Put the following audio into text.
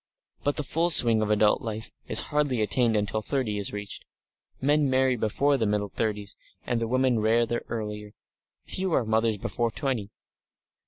But the full swing of adult life is hardly attained until thirty is reached. Men marry before the middle thirties, and the women rather earlier, few are mothers before five and twenty.